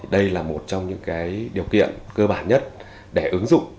đây là một trong những điều kiện cơ bản nhất để ứng dụng